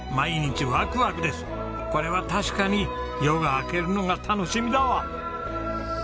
これは確かに夜が明けるのが楽しみだわ。